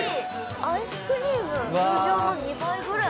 アイスクリーム、通常の２倍ぐらい。